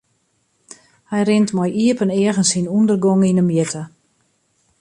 Hy rint mei iepen eagen syn ûndergong yn 'e mjitte.